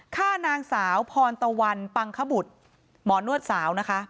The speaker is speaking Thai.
ฆ่านางสาวพรตะวันปังขบุตรหมอนวดสาวนะคะ